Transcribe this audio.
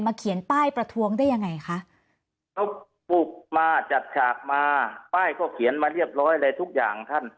เรียนมาเรียบร้อยอะไรทุกอย่างท่าน